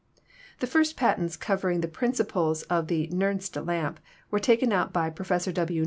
The first patents covering the principle of the Nernst lamp were taken out by Professor W.